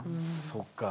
そっか。